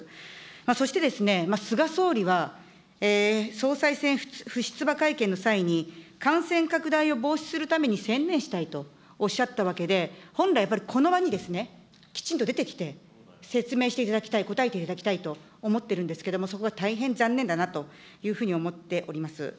そして菅総理は、総裁選不出馬会見の際に、感染拡大を防止するために専念したいとおっしゃったわけで、本来、やっぱりこの場にきちんと出てきて、説明していただきたい、答えていただきたいと思ってるんですけれども、そこが大変残念だなというふうに思っております。